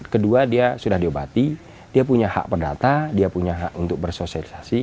kedua dia sudah diobati dia punya hak perdata dia punya hak untuk bersosialisasi